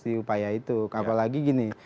si upaya itu apalagi gini